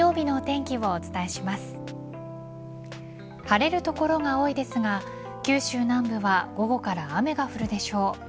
晴れる所が多いですが九州南部は午後から雨が降るでしょう。